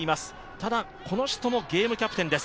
ただ、この人もゲームキャプテンです。